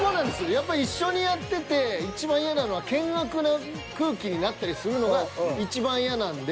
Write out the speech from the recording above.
やっぱり一緒にやってていちばん嫌なのは険悪な空気になったりするのがいちばん嫌なんで。